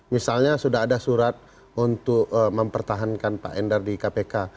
misalnya sudah ada surat untuk mempertahankan pak endar di kpk